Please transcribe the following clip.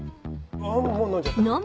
あもう飲んじゃった。